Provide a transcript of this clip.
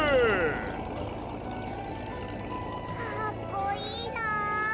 かっこいいなあ。